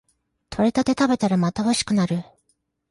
採れたて食べたらまた欲しくなる